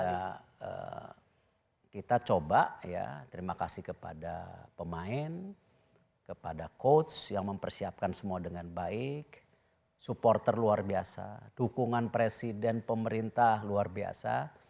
dan ya kita coba ya terima kasih kepada pemain kepada coach yang mempersiapkan semua dengan baik supporter luar biasa dukungan presiden pemerintah luar biasa